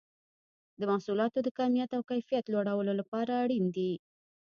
د محصولاتو د کمیت او کیفیت لوړولو لپاره اړین دي.